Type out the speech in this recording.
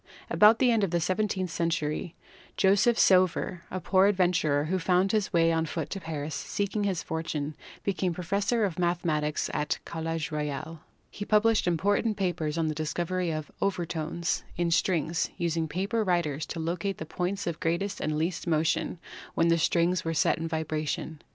About the end of the seventeenth century Joseph Sauveur, a poor adventurer who found his way on foot to Paris seeking his fortune, became professor of mathematics at the College Royal. He published important papers on the discovery of "overtones" in strings, using paper riders to locate the points of greatest and least motion when the strings were set in vibration.